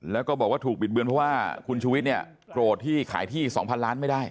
แล้วก็บอกว่าถูกบิดเบือนเพราะว่าคุณชูวิทย์เนี่ยโกรธที่ขายที่๒๐๐ล้านไม่ได้